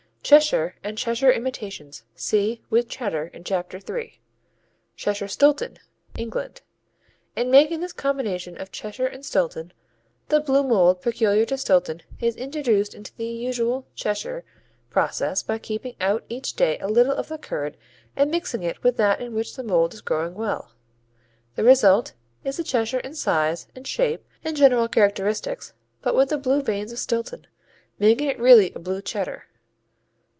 Cheshire and Cheshire imitations see with Cheddar in Chapter 3. Cheshire Stilton England In making this combination of Cheshire and Stilton, the blue mold peculiar to Stilton is introduced in the usual Cheshire process by keeping out each day a little of the curd and mixing it with that in which the mold is growing well. The result is the Cheshire in size and shape and general characteristics but with the blue veins of Stilton, making it really a Blue Cheddar.